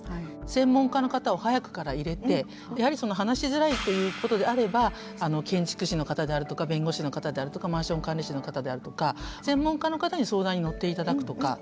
専門家の方を早くから入れてやはりその話しづらいということであれば建築士の方であるとか弁護士の方であるとかマンション管理士の方であるとか専門家の方に相談に乗っていただくとか。